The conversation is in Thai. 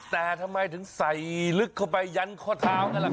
แต่ทำไมถึงใส่ลึกเข้าไปยันข้อเท้านั่นแหละครับ